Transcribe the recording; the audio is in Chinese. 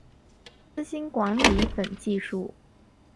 资金管理等技术